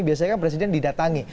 biasanya kan presiden didatangi